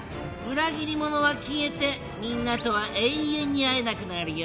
裏切り者は消えてみんなとは永遠に会えなくなるよ。